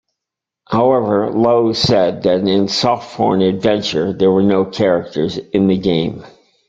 However, Lowe said that in "Softporn Adventure" "there were no characters in the game.